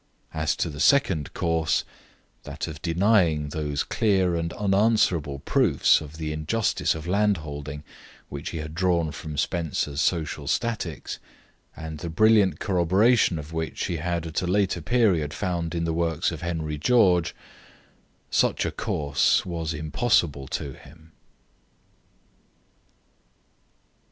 As to the second course, that of denying those clear and unanswerable proofs of the injustice of landholding, which he had drawn from Spencer's Social Statics, and the brilliant corroboration of which he had at a later period found in the works of Henry George, such a course was impossible to him.